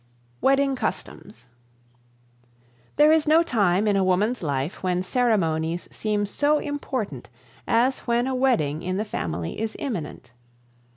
Wedding Customs. There is no time in a woman's life when ceremonies seem so important as when a wedding in the family is imminent.